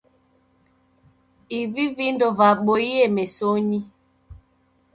Ivi vindo vaboie mesonyi.